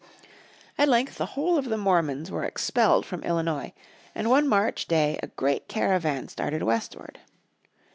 At length the whole of the Mormons were expelled from Illinois, and one March day a great caravan started westward.